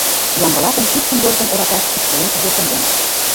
Ямблатын кидшым-йолжым ораташ ишкылен уже шынденыт.